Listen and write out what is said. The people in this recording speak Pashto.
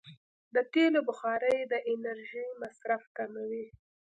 د تېلو بخاري د انرژۍ مصرف کموي.